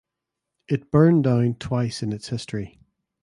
It burned down twice in its history.